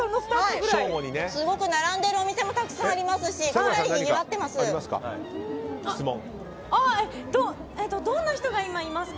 すごく並んでるお店もたくさんありますしかなりにぎわっています。